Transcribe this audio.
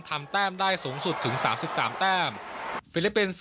ทำแต้มได้สูงสุดถึงสามสิบสามแต้มฟิลิปปินส์